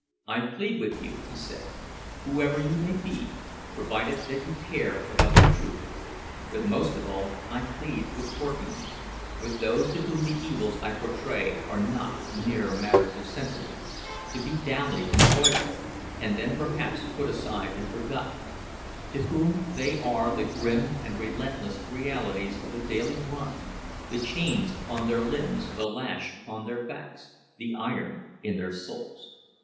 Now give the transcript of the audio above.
"I plead with you," he said, "whoever you may be, provided that you care about the truth; but most of all I plead with working man, with those to whom the evils I portray are not mere matters of sentiment, to be dallied and toyed with, and then perhaps put aside and forgotten—to whom they are the grim and relentless realities of the daily grind, the chains upon their limbs, the lash upon their backs, the iron in their souls.